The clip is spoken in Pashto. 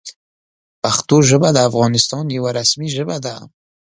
پښتو ژبه د افغانستان یوه رسمي ژبه ده.